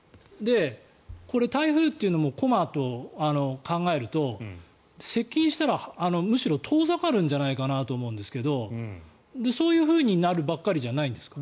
これ、台風というのも駒と考えると接近したらむしろ遠ざかるんじゃないかと思うんですがそういうふうになるばっかりじゃないんですか。